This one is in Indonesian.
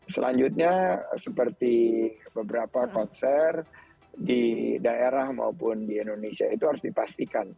selanjutnya seperti beberapa konser di daerah maupun di indonesia itu harus dipastikan